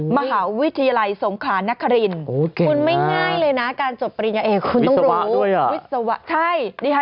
มหาวิทยาลัยสงขานทนคฤนคุณไม่ง่ายเลยนะการจบปริญญาเอกคุณต้องรู้